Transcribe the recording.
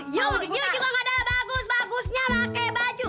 you juga nggak ada bagus bagusnya pakai baju